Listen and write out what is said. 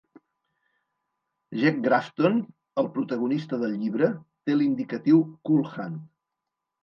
Jake Grafton, el protagonista del llibre, té l'indicatiu "Cool Hand".